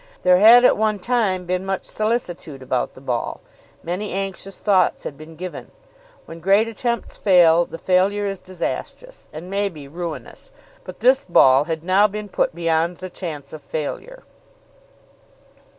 There had at one time been much solicitude about the ball. Many anxious thoughts had been given. When great attempts fail, the failure is disastrous, and may be ruinous. But this ball had now been put beyond the chance of failure.